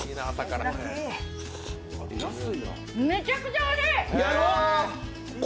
めちゃくちゃおいしい。